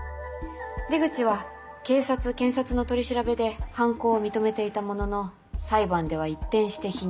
出口は警察検察の取り調べで犯行を認めていたものの裁判では一転して否認。